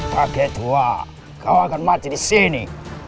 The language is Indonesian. paket hua kau akan mati disini